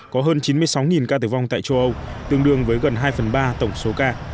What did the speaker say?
có hơn chín mươi sáu ca tử vong tại châu âu tương đương với gần hai phần ba tổng số ca